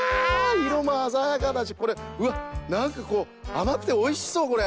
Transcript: いろもあざやかだしこれうわっなんかこうあまくておいしそうこれ！